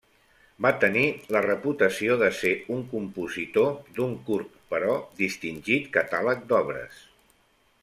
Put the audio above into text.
Va tenir la reputació de ser un compositor d'un curt però distingit catàleg d'obres.